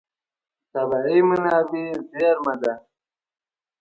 طبیعي منابع زېرمه ده.